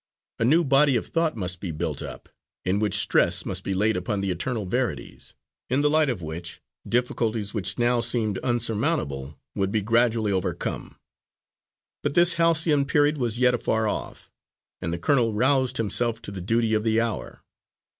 A new body of thought must be built up, in which stress must be laid upon the eternal verities, in the light of which difficulties which now seemed unsurmountable would be gradually overcome. But this halcyon period was yet afar off, and the colonel roused himself to the duty of the hour.